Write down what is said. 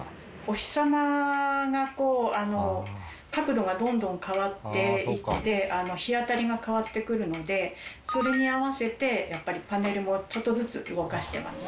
お日さまがこう角度がどんどん変わっていって日当たりが変わってくるのでそれに合わせてパネルもちょっとずつ動かしてます。